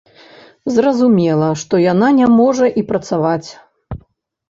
Зразумела, што яна не можа і працаваць.